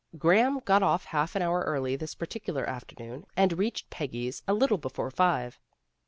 Graham got off half an hour early this particular afternoon, and reached Peggy's a little before five.